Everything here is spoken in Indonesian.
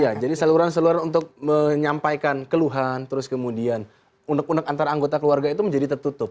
ya jadi saluran saluran untuk menyampaikan keluhan terus kemudian unek unek antar anggota keluarga itu menjadi tertutup